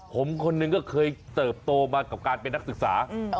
ผมคนหนึ่งก็เคยเติบโตมากับการเป็นนักศึกษา